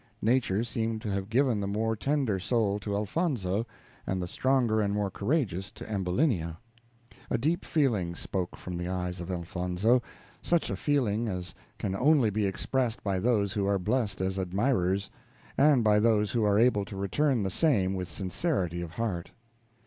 Nature seemed to have given the more tender soul to Elfonzo, and the stronger and more courageous to Ambulinia. A deep feeling spoke from the eyes of Elfonzo such a feeling as can only be expressed by those who are blessed as admirers, and by those who are able to return the same with sincerity of heart.